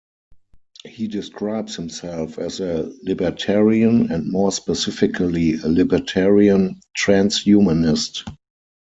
He describes himself as a libertarian and more specifically a libertarian transhumanist.